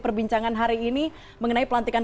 perbincangan hari ini mengenai pelantikan